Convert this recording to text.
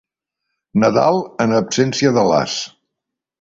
Nadal en absència de l'as.